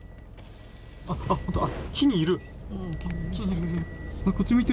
あっ、あっ、木にいる。